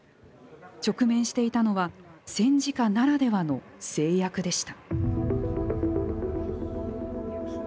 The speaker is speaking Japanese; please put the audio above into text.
直面していたのは戦時下ならではの制約でした。